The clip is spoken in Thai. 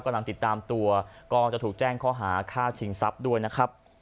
กำลังติดตามตัวก็จะถูกแจ้งข้อหาฆ่าชิงทรัพย์ด้วยนะครับ